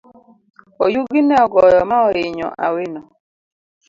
Oyugi ne ogoyo ma oinyo awino.